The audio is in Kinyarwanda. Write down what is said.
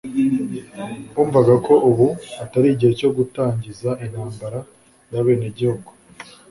bumvaga ko ubu atari igihe cyo gutangiza intambara y'abenegihugu